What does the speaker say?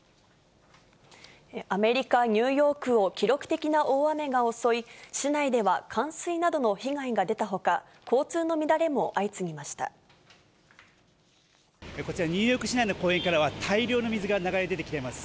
アメリカ・ニューヨークを記録的な大雨が襲い、市内では冠水などの被害が出たほか、交通の乱こちら、ニューヨーク市内の公園からは大量の水が流れ出てきています。